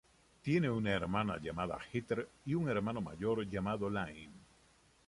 Tiene una hermana llamada Heather y un hermano mayor llamado Iain.